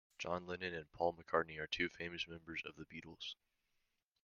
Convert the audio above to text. John Lennon and Paul McCartney are two famous members of the Beatles.